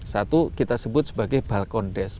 satu kita sebut sebagai balkon desk